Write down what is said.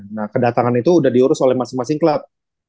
nah kedatangan itu sudah diurus oleh masing masing klub